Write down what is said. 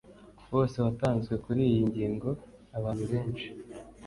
wose watanzwe kuri iyi ngingo, abantu benshi